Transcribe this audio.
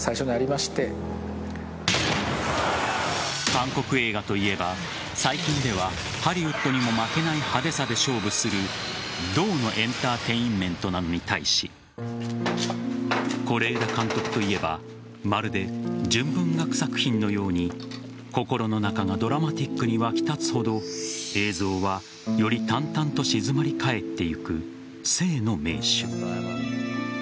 韓国映画といえば最近ではハリウッドにも負けない派手さで勝負する動のエンターテインメントなのに対し是枝監督といえばまるで純文学作品のように心の中がドラマティックに沸き立つほど映像はより淡々と静まり返っていく静の名手。